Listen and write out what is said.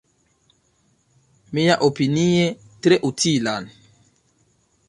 Miaopinie tre utilan.